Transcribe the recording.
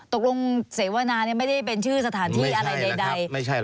ตกลงเสวนาไม่ได้เป็นชื่อสถานที่อะไรใด